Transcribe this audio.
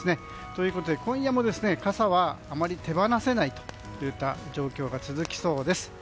ということで、今夜も傘があまり手放せない状況が続きそうです。